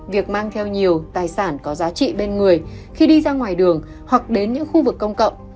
việc mang theo nhiều tài sản có giá trị bên người khi đi ra ngoài đường hoặc đến những khu vực công cộng